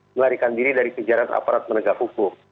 melarikan diri dari kejaran aparat penegak hukum